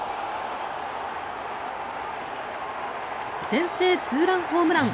先制ツーランホームラン。